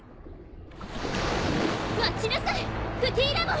待ちなさいクティーラモン！